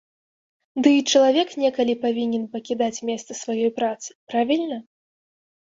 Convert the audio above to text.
Дый чалавек некалі павінен пакідаць месца сваёй працы, правільна?